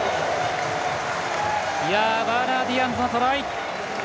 ワーナー・ディアンズのトライ。